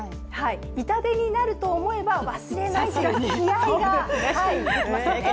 痛手になると思えば忘れないという気合いが出てきますね。